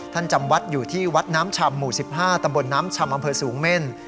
จำวัดอยู่ที่วัดน้ำชำหมู่๑๕ตำบลน้ำชำอำเภอสูงเม่น